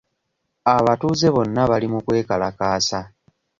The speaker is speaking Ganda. Abatuuze bonna bali mu kwekalakaasa.